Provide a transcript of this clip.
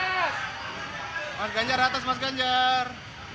mas ganjar atas mas ganjar